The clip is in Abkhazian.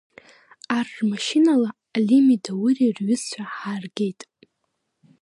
Ар рмашьынала Алими Даури рҩызцәа ҳааргеит.